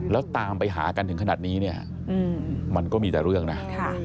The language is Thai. แล้วตามไปหากันถึงขนาดนี้เนี่ยมันก็มีแต่เรื่องนะ